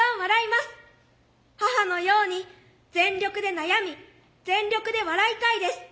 母のように全力で悩み全力で笑いたいです。